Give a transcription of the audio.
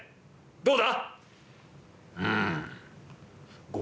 どうだ？」。